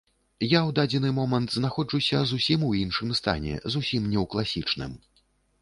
Я ў дадзены момант знаходжуся зусім у іншым стане, зусім не ў класічным.